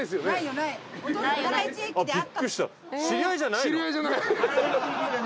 知り合いじゃない。